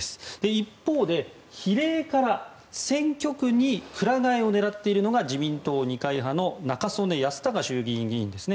一方で比例から選挙区にくら替えを狙っているのが自民党二階派の中曽根康隆衆議院議員ですね。